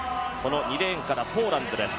２レーンからポーランドです。